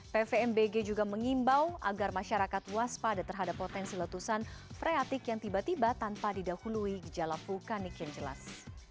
pvmbg juga mengimbau agar masyarakat waspada terhadap potensi letusan freatik yang tiba tiba tanpa didahului gejala vulkanik yang jelas